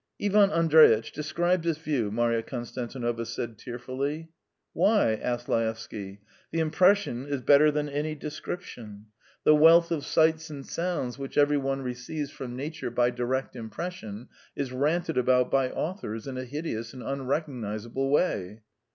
"Ivan Andreitch, describe this view," Marya Konstantinovna said tearfully. "Why?" asked Laevsky. "The impression is better than any description. The wealth of sights and sounds which every one receives from nature by direct impression is ranted about by authors in a hideous and unrecognisable way."